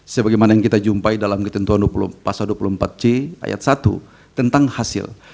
sebagaimana yang kita jumpai dalam ketentuan pasal dua puluh empat c ayat satu tentang hasil